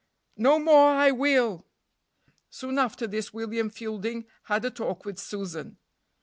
"No more I will." Soon after this William Fielding had a talk with Susan.